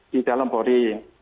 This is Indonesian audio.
di dalam pori